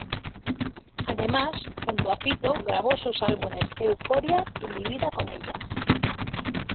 Además, junto a Fito grabó sus álbumes "Euforia" y "Mi vida con ellas".